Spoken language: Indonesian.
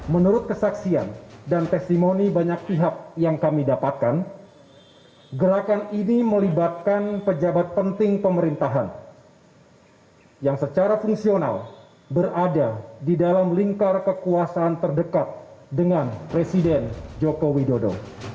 menurut kesaksian dan testimoni banyak pihak yang kami dapatkan gerakan ini melibatkan pejabat penting pemerintahan yang secara fungsional berada di dalam lingkar kekuasaan terdekat dengan presiden joko widodo